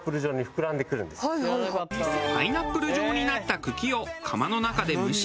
パイナップル状になった茎を釜の中で蒸し。